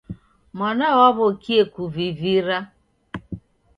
Mwana waw'okie kuvivira.